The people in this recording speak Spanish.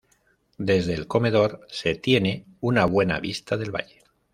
Desde el comedor se tiene una buena vista del valle.